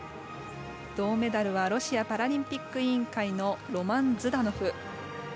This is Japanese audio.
銅メダルはロシアパラリンピック委員会のロマン・ズダノフ。